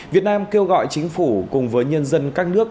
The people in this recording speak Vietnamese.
việt nam kêu gọi chính phủ cùng với nhân dân các nước